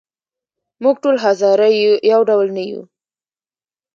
موږ ټول هزاره یو ډول نه یوو.